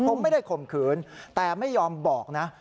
ผมไม่ได้ข่มขืนแต่ไม่ยอมบอกนะ